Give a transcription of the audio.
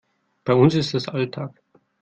Bei uns ist das Alltag.